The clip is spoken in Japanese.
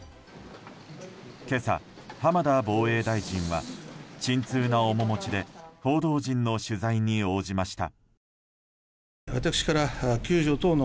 今朝、浜田防衛大臣は沈痛な面持ちで報道陣の取材に応じました。